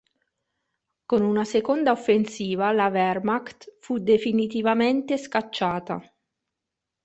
Con una seconda offensiva la Wehrmacht fu definitivamente scacciata.